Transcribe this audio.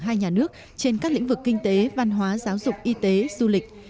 hai nhà nước trên các lĩnh vực kinh tế văn hóa giáo dục y tế du lịch